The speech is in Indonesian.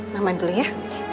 mama dulu ya